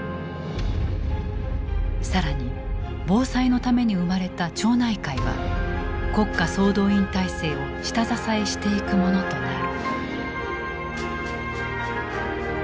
更に防災のために生まれた町内会は国家総動員体制を下支えしていくものとなる。